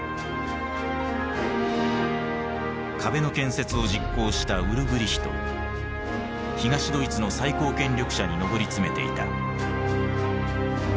壁の建設を実行した東ドイツの最高権力者に上り詰めていた。